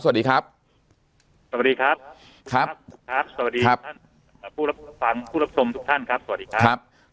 สวัสดีครับสวัสดีครับสวัสดีครับท่านผู้รับชมทุกท่านครับสวัสดีครับ